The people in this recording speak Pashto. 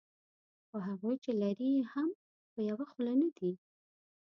خو هغوی چې لري یې هم یوه خوله نه دي.